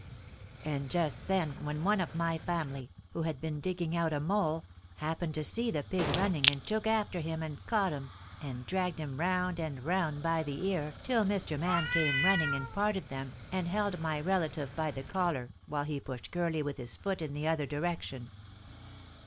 And just then one of my family, who had been digging out a mole, happened to see the pig running and took after him and caught him and dragged him round and round by the ear till Mr. Man came running and parted them and held my relative by the collar while he pushed Curly with his foot in the other direction.